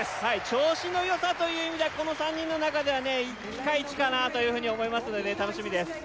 調子の良さという意味ではこの３人の中ではピカイチかなというふうに思いますので楽しみです